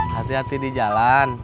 hati hati di jalan